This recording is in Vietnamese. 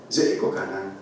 dễ có khả năng